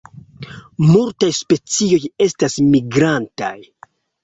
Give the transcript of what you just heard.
Multaj specioj estas migrantaj.